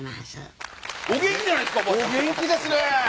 お元気ですね。